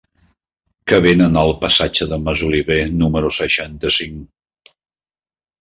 Què venen al passatge de Masoliver número seixanta-cinc?